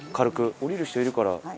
降りる人いるから。